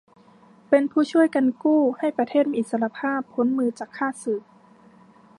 เป็นผู้ช่วยกันกู้ให้ประเทศมีอิสสรภาพพ้นมือจากข้าศึก